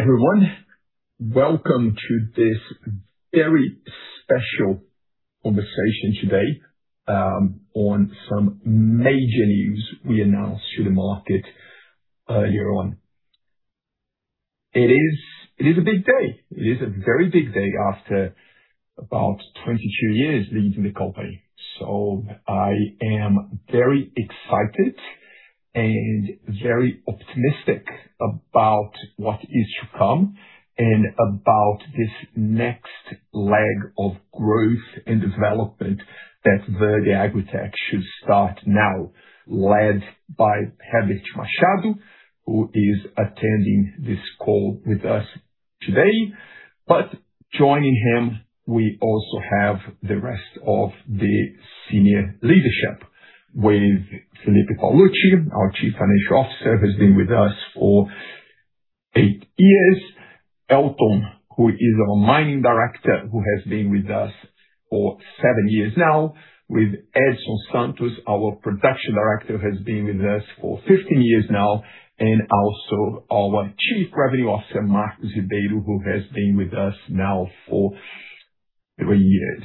Everyone, welcome to this very special conversation today on some major news we announced to the market earlier on. It is a big day. It is a very big day after about 22 years leading the company. I am very excited and very optimistic about what is to come and about this next leg of growth and development that Verde AgriTech should start now, led by Reberth Machado, who is attending this call with us today. Joining him, we also have the rest of the senior leadership with Felipe Paolucci, our Chief Financial Officer, who has been with us for eight years. Elton, who is our Mining Director, who has been with us for seven years now. With Edson Santos, our Production Director, who has been with us for 15 years now, and also our Chief Revenue Officer, Marcus Ribeiro, who has been with us now for three years.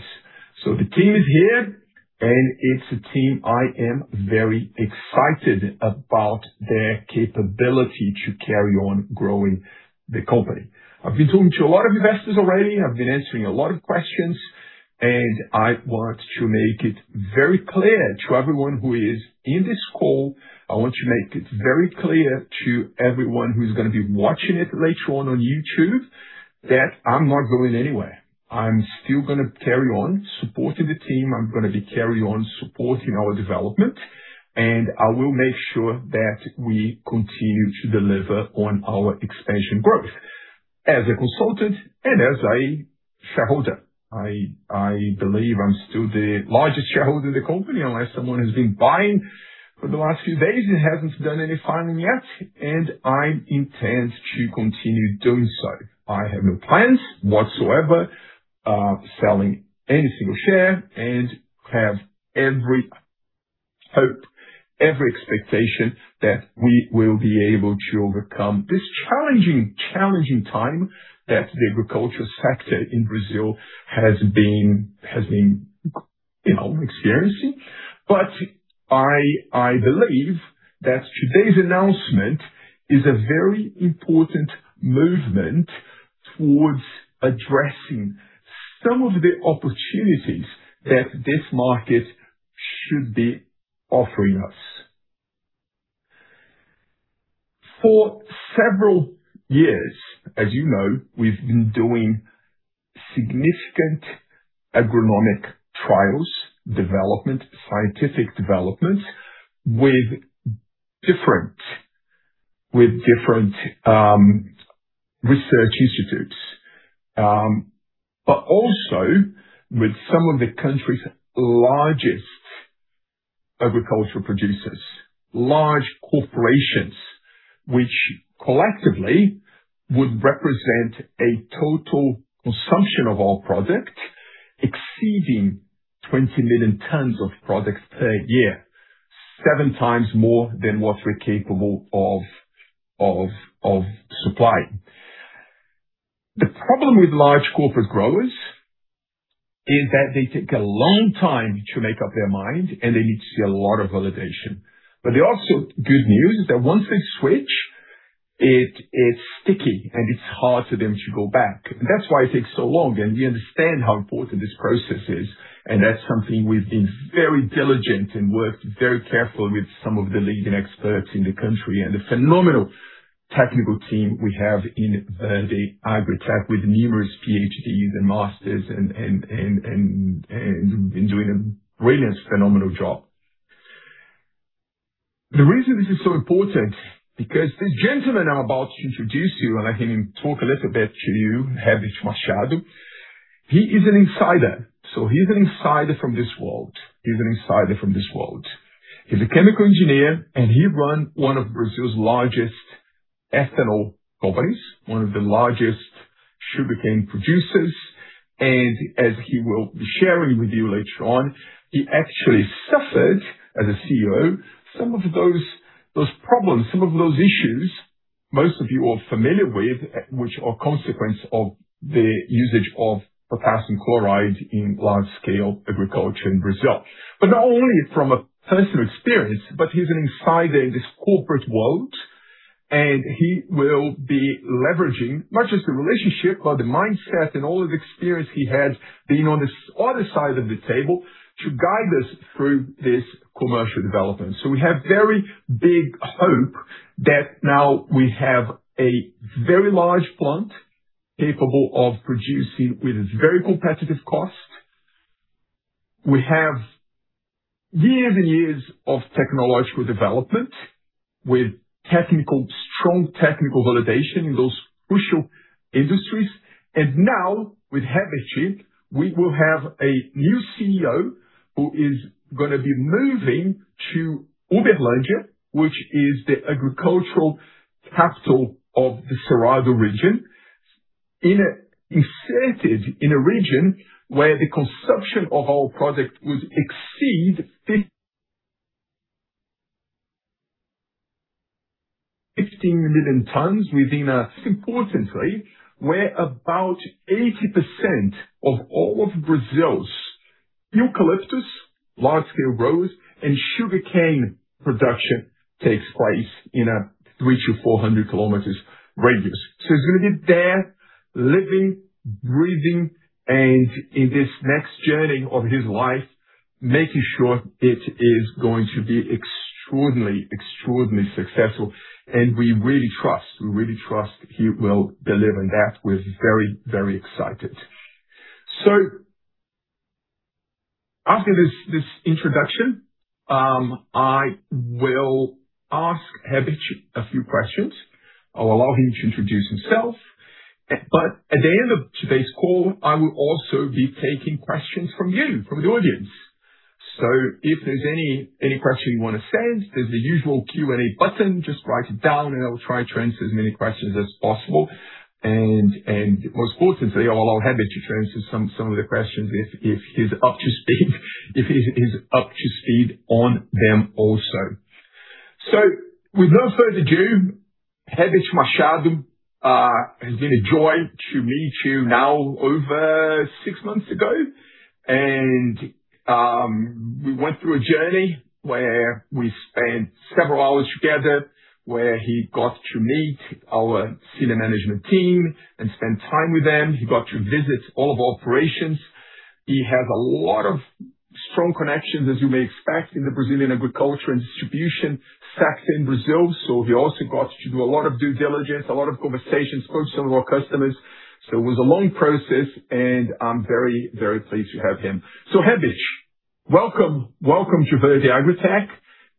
The team is here, and it's a team I am very excited about their capability to carry on growing the company. I've been talking to a lot of investors already. I've been answering a lot of questions, and I want to make it very clear to everyone who is in this call, I want to make it very clear to everyone who's going to be watching it later on YouTube, that I'm not going anywhere. I'm still going to carry on supporting the team. I'm going to be carrying on supporting our development, and I will make sure that we continue to deliver on our expansion growth as a consultant and as a shareholder. I believe I'm still the largest shareholder in the company. Unless someone has been buying for the last few days and hasn't done any filing yet, and I intend to continue doing so. I have no plans whatsoever selling any single share and have every hope, every expectation that we will be able to overcome this challenging time that the agriculture sector in Brazil has been experiencing. I believe that today's announcement is a very important movement towards addressing some of the opportunities that this market should be offering us. For several years, as you know, we've been doing significant agronomic trials development, scientific development with different research institutes. Also with some of the country's largest agricultural producers, large corporations, which collectively would represent a total consumption of our product exceeding 20 million tons of products per year, 7 times more than what we're capable of supplying. The problem with large corporate growers is that they take a long time to make up their mind, and they need to see a lot of validation. The also good news is that once they switch, it's sticky, and it's hard for them to go back. That's why it takes so long, and we understand how important this process is, and that's something we've been very diligent and worked very carefully with some of the leading experts in the country and the phenomenal technical team we have in Verde AgriTech with numerous PhDs and masters and doing a brilliant, phenomenal job. The reason this is so important, because the gentleman I'm about to introduce you and let him talk a little bit to you, Reberth Machado, he is an insider. He's an insider from this world. He's a chemical engineer, and he run one of Brazil's largest ethanol companies, one of the largest sugarcane producers, and as he will be sharing with you later on, he actually suffered as a CEO some of those problems, some of those issues most of you are familiar with, which are consequence of the usage of potassium chloride in large scale agriculture in Brazil. Not only from a personal experience, but he's an insider in this corporate world, and he will be leveraging not just the relationship, but the mindset and all of the experience he had being on this other side of the table to guide us through this commercial development. We have very big hope that now we have a very large plant capable of producing with very competitive cost. We have years and years of technological development with strong technical validation in those crucial industries. Now with Reberth, we will have a new CEO who is going to be moving to Uberlândia, which is the agricultural capital of the Cerrado region, inserted in a region where the consumption of our product would exceed 5,015 million tons, most importantly, where about 80% of all of Brazil's eucalyptus, large-scale rose, and sugarcane production takes place in a 3 to 400 kilometers radius. He's going to be there living, breathing, and in this next journey of his life, making sure it is going to be extraordinarily successful. We really trust he will deliver that. We're very excited. After this introduction, I will ask Rerberth a few questions. I will allow him to introduce himself. At the end of today's call, I will also be taking questions from you, from the audience. If there's any question you want to send, there's the usual Q&A button, just write it down and I will try to answer as many questions as possible. Most importantly, I will allow Reberth to answer some of the questions if he's up to speed on them also. With no further ado, Reberth Machado, it has been a joy to meet you now over six months ago. We went through a journey where we spent several hours together, where he got to meet our senior management team and spend time with them. He got to visit all of our operations. He has a lot of strong connections, as you may expect, in the Brazilian agriculture and distribution sector in Brazil. He also got to do a lot of due diligence, a lot of conversations, talk to some of our customers. It was a long process and I'm very pleased to have him. Reberth, welcome to Verde AgriTech,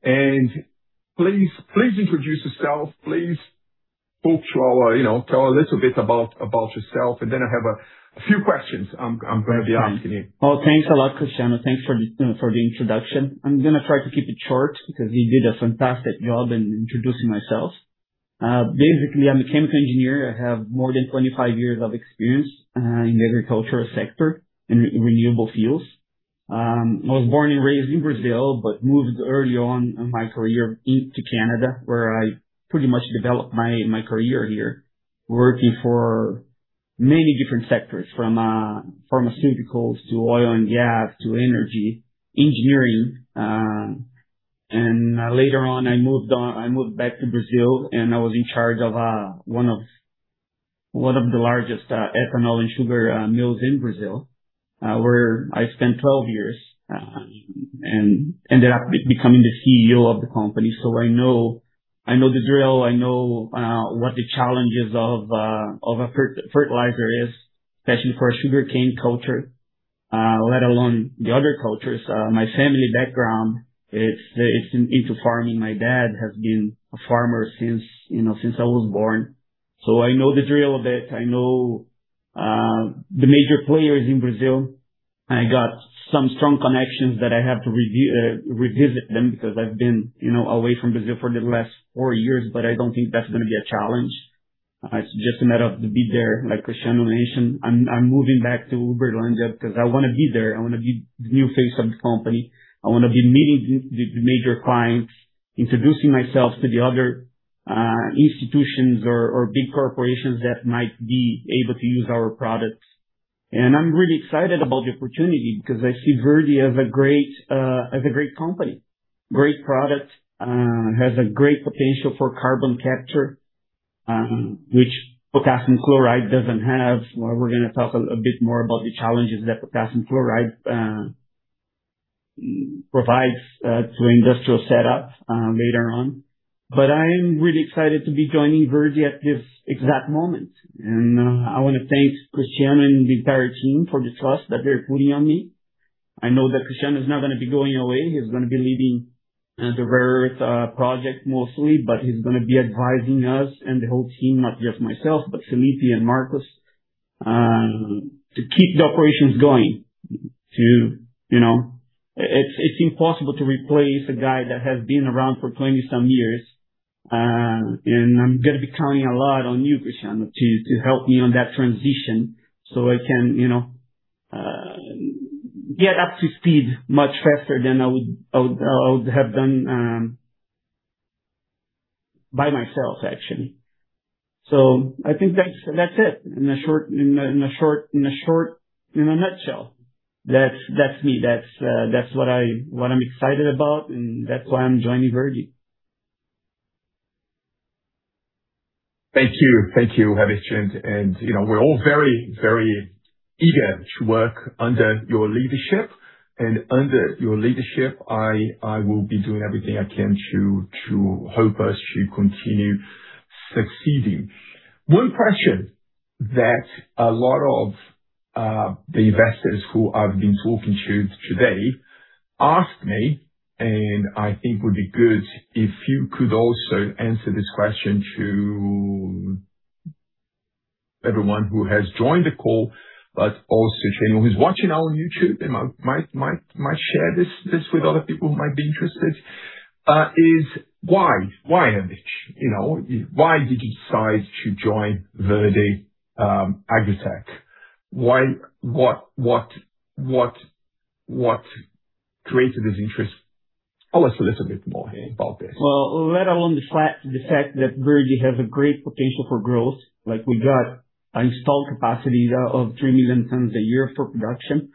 and please introduce yourself. Please tell a little bit about yourself, and then I have a few questions I'm going to be asking you. Well, thanks a lot, Cristiano. Thanks for the introduction. I'm going to try to keep it short because you did a fantastic job in introducing myself. Basically, I'm a chemical engineer. I have more than 25 years of experience in the agricultural sector in renewable fuels. I was born and raised in Brazil, but moved early on in my career into Canada, where I pretty much developed my career here, working for many different sectors, from pharmaceuticals to oil and gas to energy, engineering. Later on, I moved back to Brazil and I was in charge of one of the largest ethanol and sugar mills in Brazil, where I spent 12 years, and ended up becoming the CEO of the company. So I know the drill, I know what the challenges of a fertilizer is, especially for a sugarcane culture, let alone the other cultures. My family background is into farming. My dad has been a farmer since I was born, so I know the drill a bit. I know the major players in Brazil. I got some strong connections that I have to revisit them because I've been away from Brazil for the last four years, but I don't think that's going to be a challenge. It's just a matter of to be there, like Cristiano mentioned. I'm moving back to Uberlandia because I want to be there. I want to be the new face of the company. I want to be meeting the major clients, introducing myself to the other institutions or big corporations that might be able to use our products. I'm really excited about the opportunity because I see Verde as a great company. Great product, has a great potential for carbon capture, which potassium chloride doesn't have. We're going to talk a bit more about the challenges that potassium chloride provides to industrial setup later on. I'm really excited to be joining Verde at this exact moment, and I want to thank Cristiano and the entire team for the trust that they're putting on me. I know that Cristiano is not going to be going away. He's going to be leading the rare earth project mostly, but he's going to be advising us and the whole team, not just myself, but Felipe and Marcus, to keep the operations going. It's impossible to replace a guy that has been around for 20-some years. I'm going to be counting a lot on you, Cristiano, to help me on that transition so I can get up to speed much faster than I would have done by myself, actually. I think that's it in a nutshell. That's me. That's what I'm excited about, and that's why I'm joining Verde. Thank you. Thank you, Reberth. We're all very eager to work under your leadership. Under your leadership, I will be doing everything I can to help us to continue succeeding. One question that a lot of the investors who I've been talking to today asked me, I think would be good if you could also answer this question to everyone who has joined the call, but also to anyone who's watching our YouTube and might share this with other people who might be interested, is why? Why Reberth? Why did you decide to join Verde AgriTech? What created this interest? Tell us a little bit more about this. Let alone the fact that Verde has a great potential for growth. We got installed capacity of 3 million tons a year for production,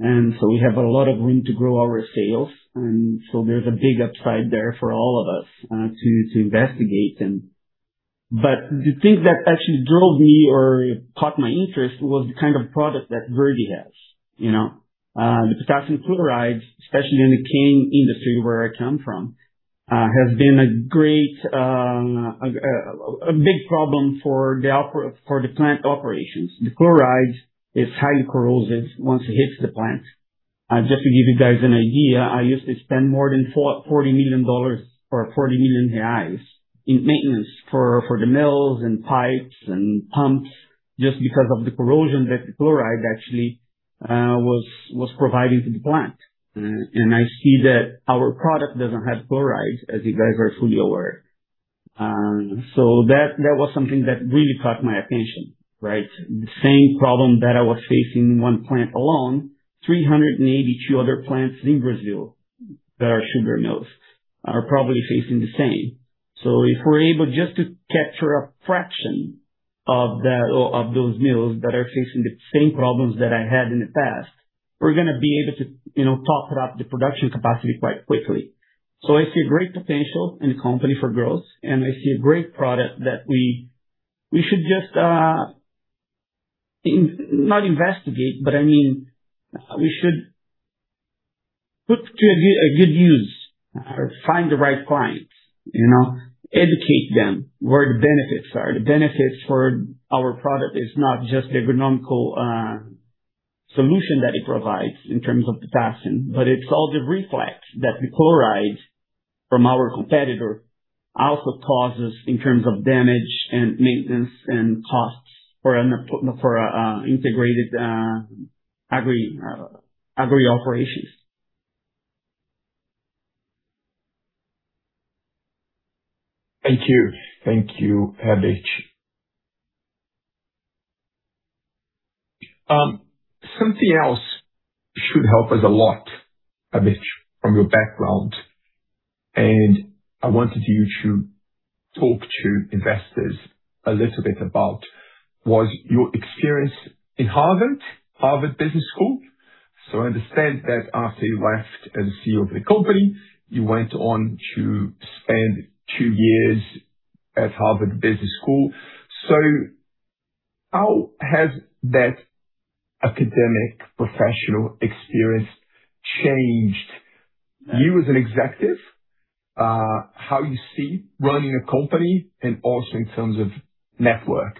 we have a lot of room to grow our sales, there's a big upside there for all of us to investigate. The thing that actually drove me or caught my interest was the kind of product that Verde has. The potassium chloride, especially in the cane industry where I come from, has been a big problem for the plant operations. The chloride is highly corrosive once it hits the plant. Just to give you guys an idea, I used to spend more than BRL 40 million or 40 million reais in maintenance for the mills and pipes and pumps, just because of the corrosion that the chloride actually was providing to the plant. I see that our product doesn't have chloride, as you guys are fully aware. That was something that really caught my attention, right. The same problem that I was facing in one plant alone, 382 other plants in Brazil that are sugar mills are probably facing the same. If we're able just to capture a fraction of those mills that are facing the same problems that I had in the past, we're going to be able to top it up the production capacity quite quickly. I see a great potential in the company for growth, and I see a great product that we should just, not investigate, but we should put to a good use or find the right clients. Educate them where the benefits are. The benefits for our product is not just the economical solution that it provides in terms of potassium, but it's all the reflex that the chloride from our competitor also causes in terms of damage and maintenance and costs for integrated agri operations. Thank you. Thank you, Reberth. Something else should help us a lot, Reberth, from your background, and I wanted you to talk to investors a little bit about was your experience in Harvard Business School. I understand that after you left as CEO of the company, you went on to spend two years at Harvard Business School. How has that academic professional experience changed you as an executive, how you see running a company and also in terms of network?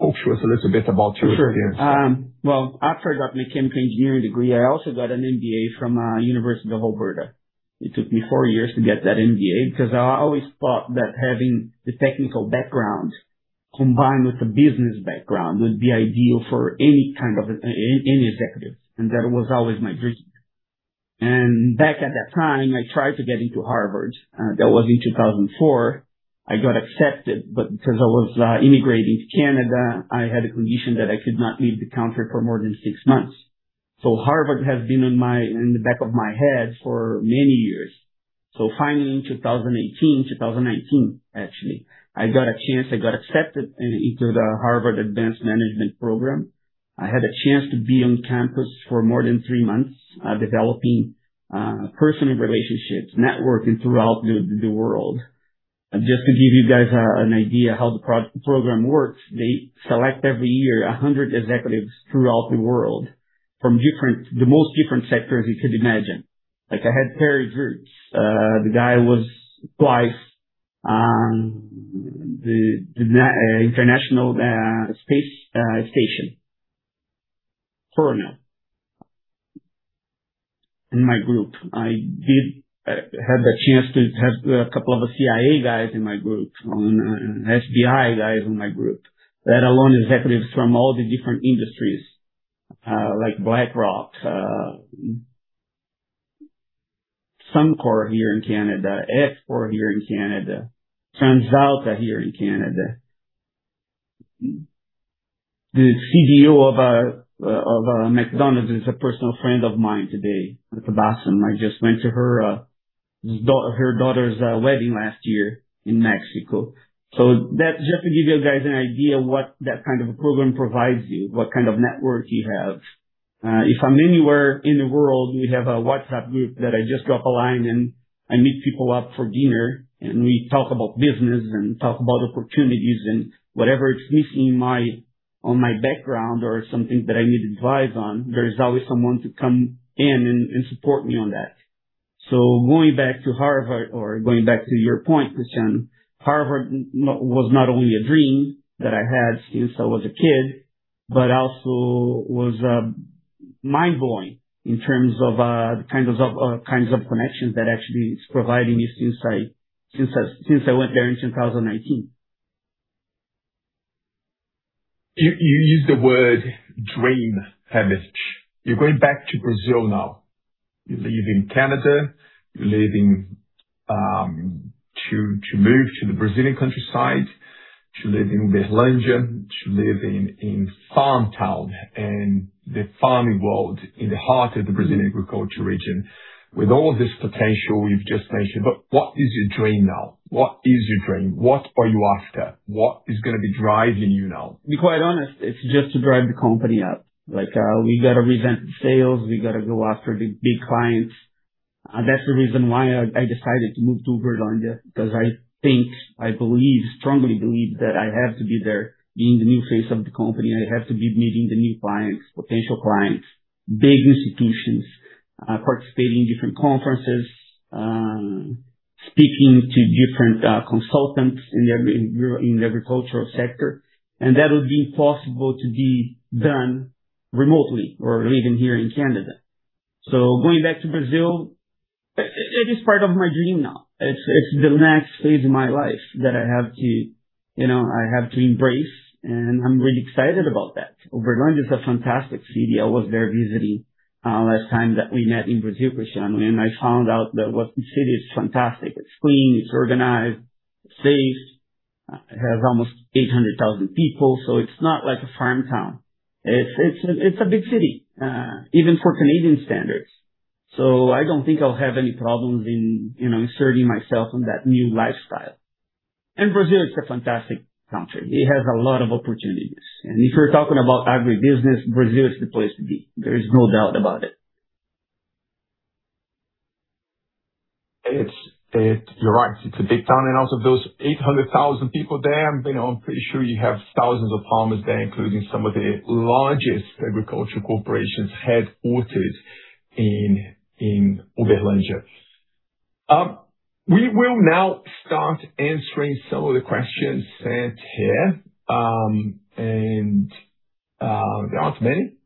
Talk to us a little bit about your experience. Sure. Well, after I got my chemical engineering degree, I also got an MBA from University of Alberta. It took me four years to get that MBA because I always thought that having the technical background combined with the business background would be ideal for any executive, and that was always my dream. Back at that time, I tried to get into Harvard. That was in 2004. I got accepted, because I was immigrating to Canada, I had a condition that I could not leave the country for more than six months. Harvard has been in the back of my head for many years. Finally in 2018, 2019 actually, I got a chance, I got accepted into the Harvard Advanced Management Program. I had a chance to be on campus for more than three months, developing personal relationships, networking throughout the world. Just to give you guys an idea how the program works, they select every year 100 executives throughout the world from the most different sectors you could imagine. Like I had Terry Virts. The guy was twice on the International Space Station. Colonel, in my group. I had the chance to have a couple of CIA guys in my group, and FBI guys in my group. Let alone executives from all the different industries, like BlackRock, Suncor here in Canada, Export here in Canada, TransAlta here in Canada. The CDO of McDonald's is a personal friend of mine today, Tabassum. I just went to her daughter's wedding last year in Mexico. That's just to give you guys an idea what that kind of a program provides you, what kind of network you have. If I'm anywhere in the world, we have a WhatsApp group that I just drop a line and I meet people up for dinner, and we talk about business and talk about opportunities and whatever is missing on my background or something that I need advice on, there is always someone to come in and support me on that. Going back to Harvard, or going back to your point, Cristiano, Harvard was not only a dream that I had since I was a kid, but also was mind-blowing in terms of kinds of connections that actually it's provided me since I went there in 2019. You used the word dream, Reberth. You're going back to Brazil now. You live in Canada. To move to the Brazilian countryside, to live in Uberlândia, to live in farm town and the farming world in the heart of the Brazilian agriculture region. With all this potential you've just mentioned, what is your dream now? What is your dream? What are you after? What is going to be driving you now? To be quite honest, it's just to drive the company up. We got to re-set the sales. We got to go after the big clients. That's the reason why I decided to move to Uberlândia, because I think, I believe, strongly believe, that I have to be there being the new face of the company. I have to be meeting the new clients, potential clients, big institutions, participating in different conferences, speaking to different consultants in the agricultural sector. That would be impossible to be done remotely or living here in Canada. Going back to Brazil, it is part of my dream now. It's the next phase in my life that I have to embrace, and I'm really excited about that. Uberlândia is a fantastic city. I was there visiting last time that we met in Brazil, Cristiano, and I found out that the city is fantastic. It's clean, it's organized, it's safe. It has almost 800,000 people, so it's not like a farm town. It's a big city, even for Canadian standards. I don't think I'll have any problems in inserting myself in that new lifestyle. Brazil is a fantastic country. It has a lot of opportunities. If you're talking about agribusiness, Brazil is the place to be. There is no doubt about it. You're right. It's a big town. Also those 800,000 people there, I'm pretty sure you have thousands of farmers there, including some of the largest agriculture corporations headquartered in Uberlândia. We will now start answering some of the questions sent here. There aren't many.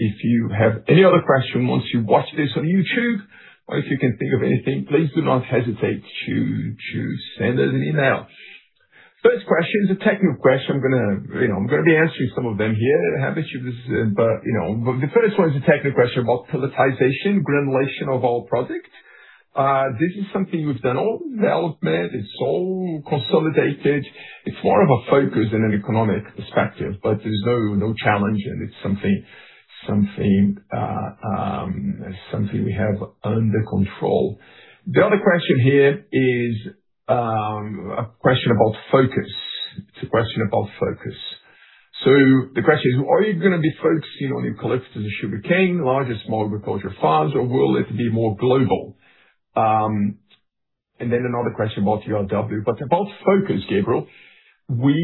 If you have any other question once you watch this on YouTube, or if you can think of anything, please do not hesitate to send us an email. First question is a technical question. I'm going to be answering some of them here, Reberth. The first one is a technical question about pelletization, granulation of our product. This is something we've done all development. It's all consolidated. It's more of a focus in an economic perspective, but there's no challenge and it's something we have under control. The other question here is a question about focus. It's a question about focus. The question is, are you going to be focusing on eucalyptus and sugarcane, large and small agriculture farms, or will it be more global? Another question about ERW. About focus, Gabriel, we've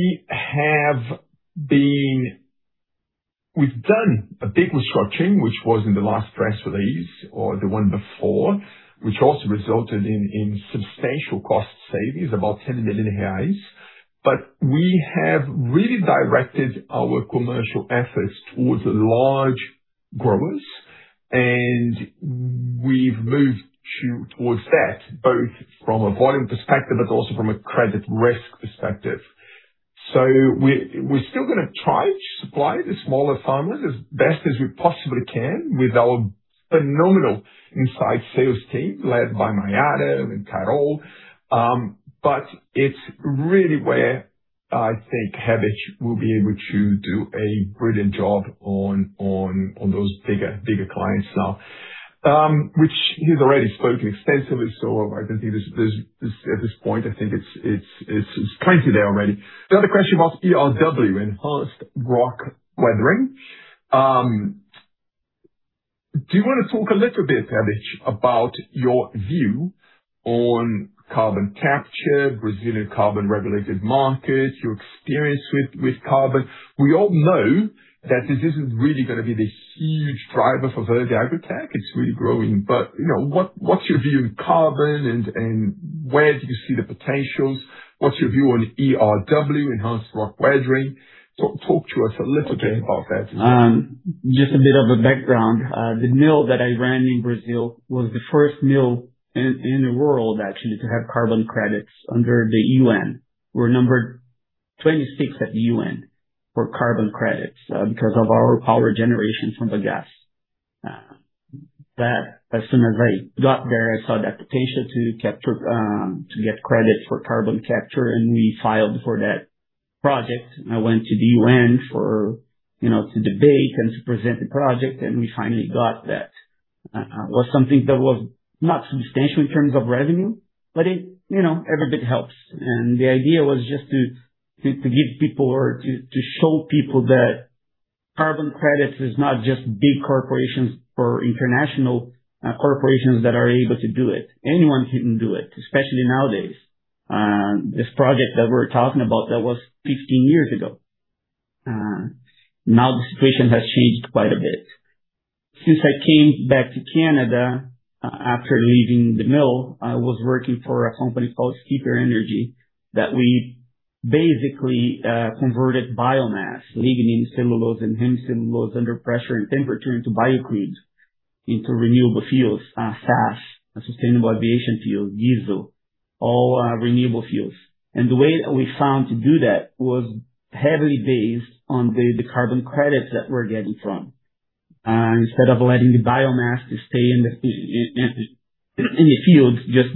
done a big restructuring, which was in the last press release or the one before, which also resulted in substantial cost savings, about 10 million reais. We have really directed our commercial efforts towards large growers, and we've moved towards that, both from a volume perspective, but also from a credit risk perspective. We're still going to try to supply the smaller farmers as best as we possibly can with our phenomenal inside sales team led by Mayada and Carol. It's really where I think Reberth will be able to do a brilliant job on those bigger clients now, which he's already spoken extensively, so I don't think at this point, I think it's plenty there already. The other question about ERW, enhanced rock weathering. Do you want to talk a little bit, Reberth, about your view on carbon capture, Brazilian carbon regulated markets, your experience with carbon? We all know that this is really going to be the huge driver for Verde AgriTech. It's really growing. What's your view on carbon and where do you see the potentials? What's your view on ERW, enhanced rock weathering? Talk to us a little bit about that. Just a bit of a background. The mill that I ran in Brazil was the first mill in the world, actually, to have carbon credits under the UN. We're number 26 at the UN for carbon credits because of our power generation from the gas. As soon as I got there, I saw the potential to get credit for carbon capture, and we filed for that project. I went to the UN to debate and to present the project, and we finally got that. It was something that was not substantial in terms of revenue, but every bit helps. The idea was just to give people or to show people that carbon credits is not just big corporations or international corporations that are able to do it. Anyone can do it, especially nowadays. This project that we're talking about, that was 15 years ago. Now the situation has changed quite a bit. Since I came back to Canada after leaving the mill, I was working for a company called Steeper Energy, that we basically converted biomass, lignin, cellulose, and hemicellulose under pressure and temperature into biocrude, into renewable fuels, SAF, sustainable aviation fuel, diesel. All renewable fuels. The way that we found to do that was heavily based on the carbon credits that we're getting from. Instead of letting the biomass just stay in the field, just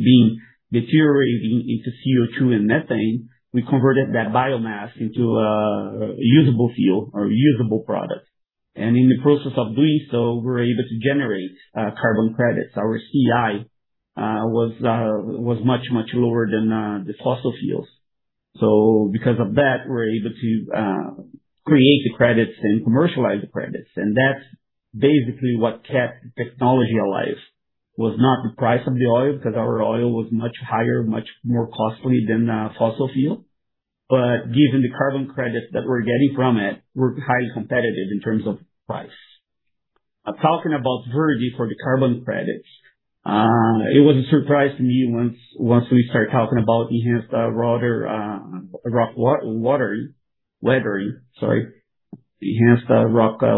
deteriorating into CO2 and methane, we converted that biomass into a usable fuel or usable product. In the process of doing so, we're able to generate carbon credits. Our CI was much, much lower than the fossil fuels. Because of that, we're able to create the credits and commercialize the credits. That's basically what kept the technology alive. Was not the price of the oil, because our oil was much higher, much more costly than fossil fuel. Given the carbon credits that we're getting from it, we're highly competitive in terms of price. Talking about Verde for the carbon credits, it was a surprise to me once we started talking about enhanced rock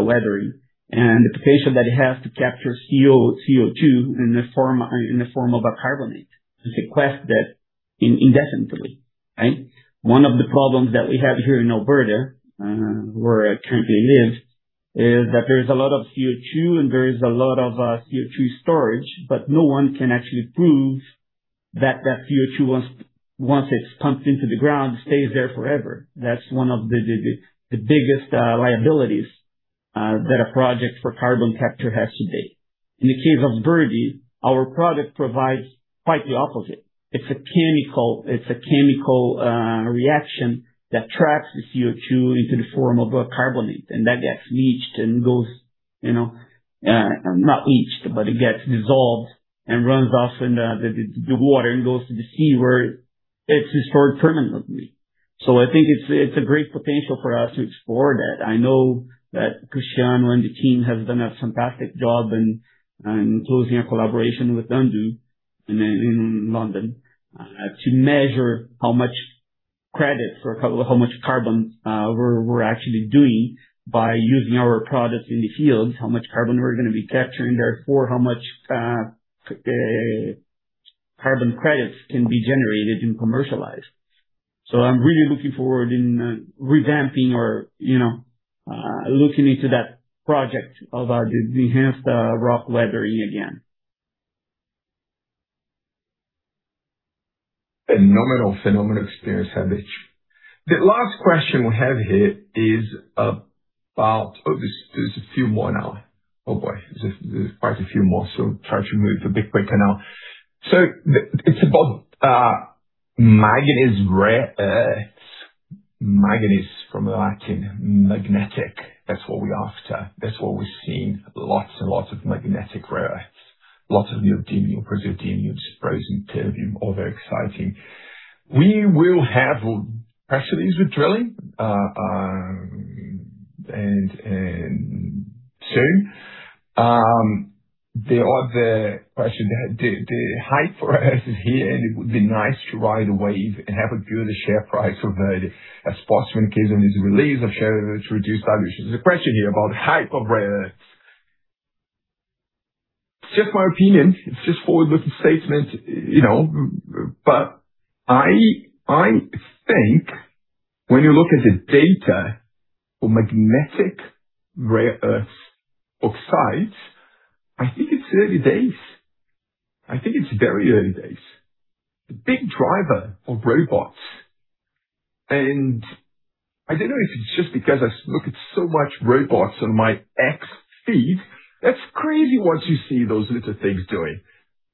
weathering, and the potential that it has to capture CO2 in the form of a carbonate, to sequester it indefinitely, right? One of the problems that we have here in Alberta, where I currently live, is that there is a lot of CO2 and there is a lot of CO2 storage, but no one can actually prove that that CO2, once it's pumped into the ground, stays there forever. That's one of the biggest liabilities that a project for carbon capture has today. In the case of Verde, our product provides quite the opposite. It's a chemical reaction that traps the CO2 into the form of a carbonate, and that gets leached and goes-- not leached, but it gets dissolved and runs off in the water and goes to the sea, where it's stored permanently. I think it's a great potential for us to explore that. I know that Cristiano and the team have done a fantastic job in closing a collaboration with UNDO in London to measure how much credits or how much carbon we're actually doing by using our products in the field, how much carbon we're going to be capturing therefore, how much carbon credits can be generated and commercialized. I'm really looking forward in revamping or looking into that project of the enhanced rock weathering again. Phenomenal experience, Reberth. The last question we have here. Oh, there's a few more now. Oh, boy. There's quite a few more, so try to move a bit quicker now. It's about Magnes Rare Earths. Magnes is from the Latin, magnetic. That's what we're after. That's what we've seen. Lots and lots of magnetic rare earths. Lots of neodymium, praseodymium, dysprosium, terbium. All very exciting. We will have press release with drilling soon. The other question, the hype for us is here, and it would be nice to ride a wave and have a good share price provided as possible in case there is a release of shares to reduce dilutions. There's a question here about the hype of rare earths. It's just my opinion. It's just forward-looking statement. I think when you look at the data for magnetic rare earth oxides, I think it's early days. I think it's very early days. The big driver of robots, and I don't know if it's just because I look at so much robots on my X feed. That's crazy what you see those little things doing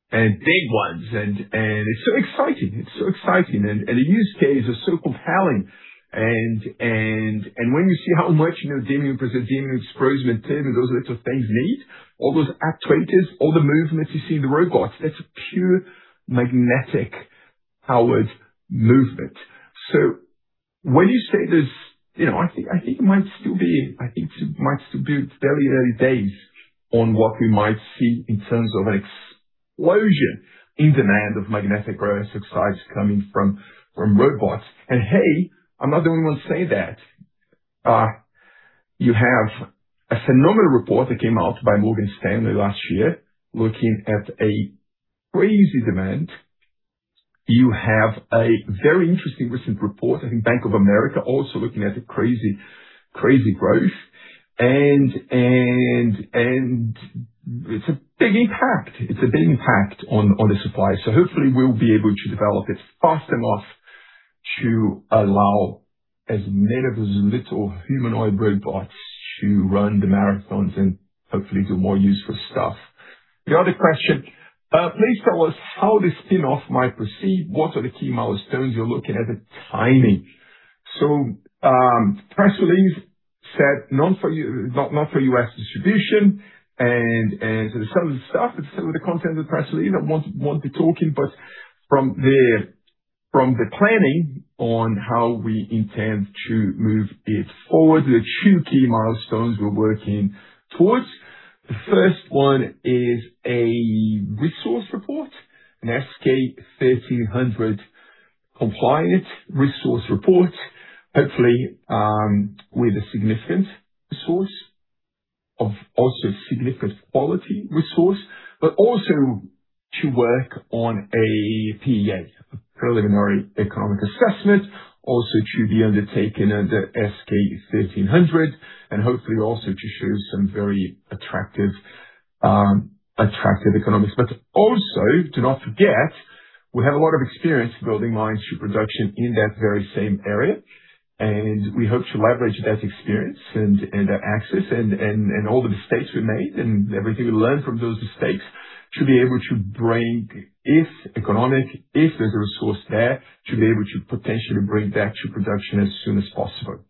and big ones and it's so exciting. It's so exciting. The use case is so compelling. When you see how much neodymium, praseodymium, dysprosium, and terbium those little things need, all those actuators, all the movements you see in the robots, that's a pure magnetic powered movement. When you say I think it might still be very early days on what we might see in terms of an explosion in demand of magnetic rare earth oxides coming from robots. Hey, I'm not the only one saying that. You have a phenomenal report that came out by Morgan Stanley last year looking at a crazy demand. You have a very interesting recent report, I think Bank of America, also looking at the crazy growth. It's a big impact. It's a big impact on the supply. Hopefully we'll be able to develop it fast enough to allow as many of those little humanoid robots to run the marathons and hopefully do more useful stuff. The other question, please tell us how the spin-off might proceed. What are the key milestones you're looking at the timing? Press release said not for U.S. distribution and some of the stuff, some of the content of the press release I won't be talking, but from the planning on how we intend to move it forward, there are 2 key milestones we're working towards. The first one is a resource report, an S-K 1300 compliant resource report, hopefully, with a significant resource of also significant quality resource, but also to work on a PEA, preliminary economic assessment, also to be undertaken under S-K 1,300 and hopefully also to show some very attractive economics, but also to not forget, we have a lot of experience building mines to production in that very same area, and we hope to leverage that experience and our access and all the mistakes we made and everything we learned from those mistakes to be able to bring, if economic, if there's a resource there, to be able to potentially bring that to production as soon as possible.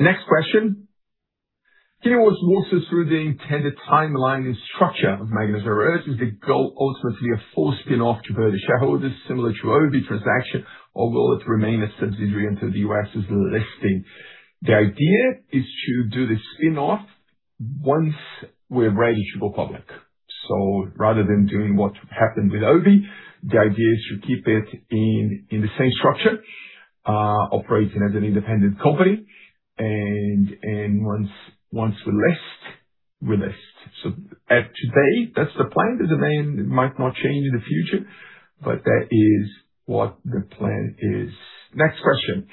Next question. Can you walk us through the intended timeline and structure of Magnes Rare Earths? Is the goal ultimately a full spin-off to Verde shareholders, similar to Obi transaction? Will it remain a subsidiary until the U.S. listing? The idea is to do the spin-off once we're ready to go public. Rather than doing what happened with Obi, the idea is to keep it in the same structure, operating as an independent company, and once we're list, we're list. As of today, that's the plan. It might not change in the future, that is what the plan is. Next question.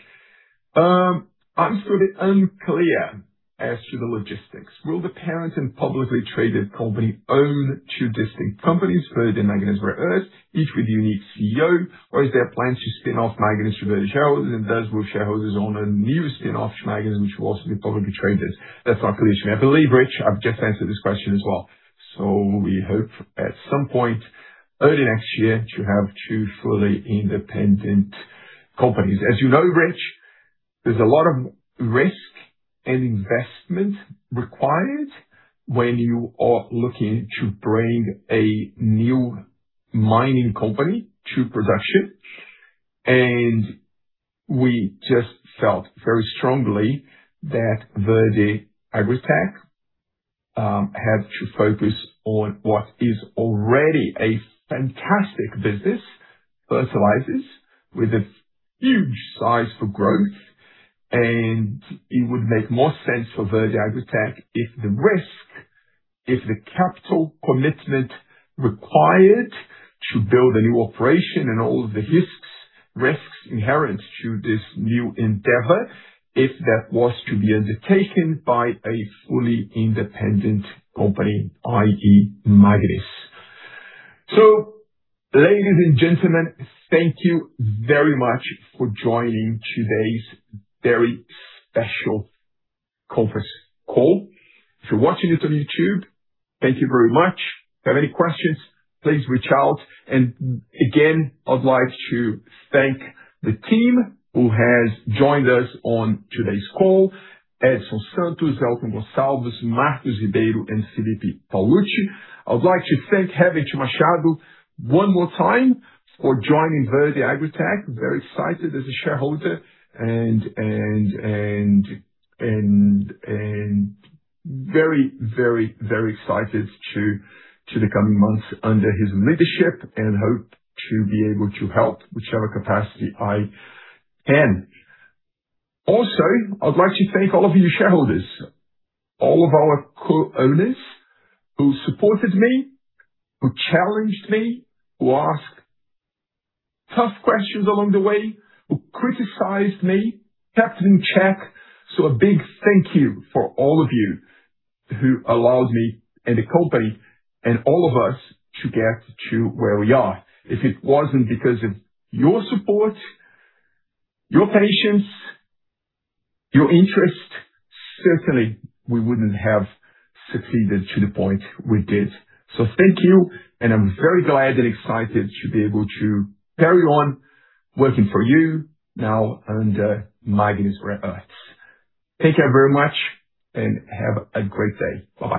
I'm still unclear as to the logistics. Will the parent and publicly traded company own two distinct companies, Verde and Magnes Rare Earths, each with a unique CEO, or is there a plan to spin off Magnes to Verde shareholders, and thus will shareholders own a new spin-off to Magnes, which will also be publicly traded? That's my question. I believe, Rich, I've just answered this question as well. We hope at some point early next year to have two fully independent companies. As you know, Rich, there's a lot of risk and investment required when you are looking to bring a new mining company to production. We just felt very strongly that Verde AgriTech have to focus on what is already a fantastic business, fertilizers, with a huge size for growth. It would make more sense for Verde AgriTech if the risk, if the capital commitment required to build a new operation and all of the risks inherent to this new endeavor, if that was to be undertaken by a fully independent company, i.e. Magnes. Ladies and gentlemen, thank you very much for joining today's very special conference call. If you're watching this on YouTube, thank you very much. If you have any questions, please reach out. Again, I'd like to thank the team who has joined us on today's call, Edson Santos, Elton Gonçalves, Marcus Ribeiro, and Felipe Paolucci. I would like to thank Reberth Machado one more time for joining Verde AgriTech. Very excited as a shareholder and very excited to the coming months under his leadership and hope to be able to help whichever capacity I can. Also, I'd like to thank all of you shareholders, all of our co-owners who supported me, who challenged me, who asked tough questions along the way, who criticized me, kept me in check. A big thank you for all of you who allowed me and the company and all of us to get to where we are. If it wasn't because of your support, your patience, your interest, certainly we wouldn't have succeeded to the point we did. Thank you, and I'm very glad and excited to be able to carry on working for you now under Magnes Rare Earths. Take care very much and have a great day. Bye-bye.